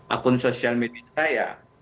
akun sosial media saya